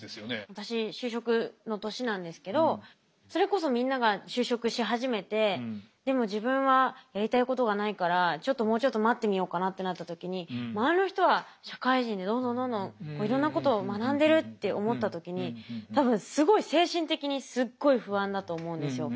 私就職の年なんですけどそれこそみんなが就職し始めてでも自分はやりたいことがないからもうちょっと待ってみようかなってなった時に周りの人は社会人でどんどんどんどんいろんなことを学んでるって思った時に多分すごい精神的にすっごい不安だと思うんですよ。